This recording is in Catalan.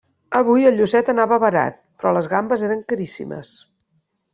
Avui el llucet anava barat, però les gambes eren caríssimes.